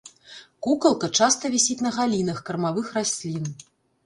Кукалка часта вісіць на галінах кармавых раслін.